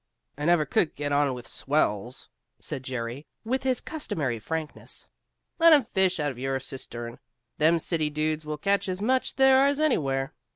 "I never could get on with swells," said Jerry, with his customary frankness. "Let 'em fish out of your cistern. Them city dudes will catch as much there as anywhere."